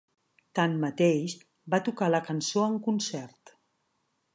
Tanmateix, va tocar la cançó en concert.